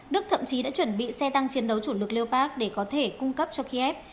đức thậm chí đã chuẩn bị xe tăng chiến đấu chủ lực lê bác để có thể cung cấp cho kiev